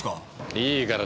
いいから。